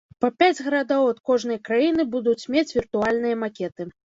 Па пяць гарадоў ад кожнай краіны будуць мець віртуальныя макеты.